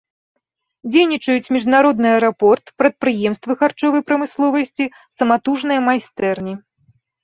Дзейнічаюць міжнародны аэрапорт, прадпрыемствы харчовай прамысловасці, саматужныя майстэрні.